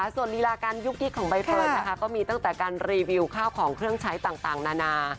ส่วนลีลาการยุกยิกของใบเฟิร์นนะคะก็มีตั้งแต่การรีวิวข้าวของเครื่องใช้ต่างนานา